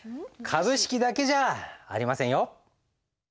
株式だけじゃありませんよ。